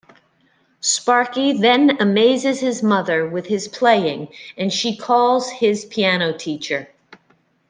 Sparky then amazes his mother with his playing, and she calls his piano teacher.